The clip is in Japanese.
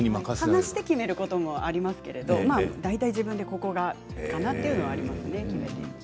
話して決めることもありますけれども大体、自分でここかなということはありますね。